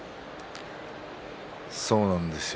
そうなんですよ